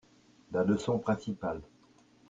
La leçon principale.